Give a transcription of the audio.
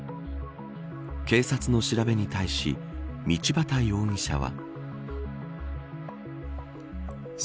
警察の調べに対し道端容疑者は。